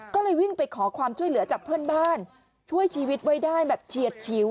ก็เลยวิ่งไปขอความช่วยเหลือจากเพื่อนบ้านช่วยชีวิตไว้ได้แบบเฉียดชิว